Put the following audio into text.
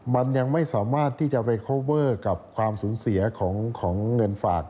มันยังไม่สามารถที่จะไปโคเวอร์กับความสูญเสียของเงินฝาก